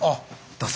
どうぞ。